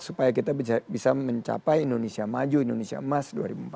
supaya kita bisa mencapai indonesia maju indonesia emas dua ribu empat puluh lima